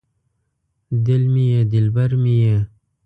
دل مې یې دلبر مې یې